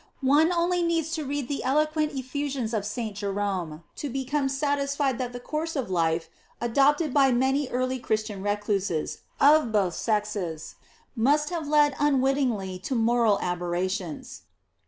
One only needs to read the eloquent effusions of St. Jerome to become satisfied that the course of life adopted by many early Christian recluses, of both sexes, must have led unwittingly to moral aberrations.